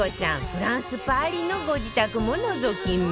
フランスパリのご自宅ものぞき見